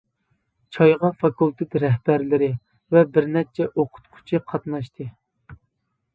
چايغا فاكۇلتېت رەھبەرلىرى ۋە بىرنەچچە ئوقۇتقۇچى قاتناشتى.